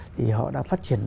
thì họ đã phát triển